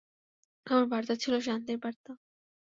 আমার বার্তা ছিল শান্তির বার্তা।